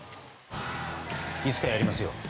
いつかやりますよ。